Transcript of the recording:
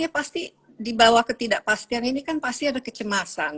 ya pasti di bawah ketidakpastian ini kan pasti ada kecemasan